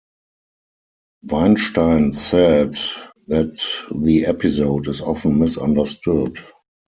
Weinstein said that the episode is often misunderstood.